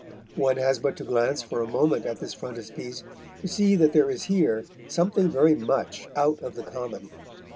One has but to glance for a moment at this frontispiece to see that there is here something very much out of the common.